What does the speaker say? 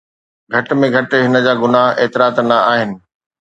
گهٽ ۾ گهٽ هن جا گناهه ايترا ته نه آهن.